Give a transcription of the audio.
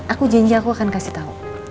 aku janji aku akan kasih tahu